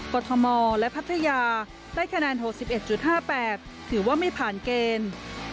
กรทมและพัทยาได้คะแนน๖๑๕๘ถือว่าไม่ผ่านเกณฑ์